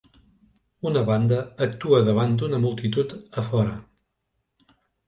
Una banda actua davant d'una multitud a fora